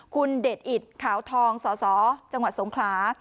คุณเดชอิตขาวทองสสจังหวัดสงขลา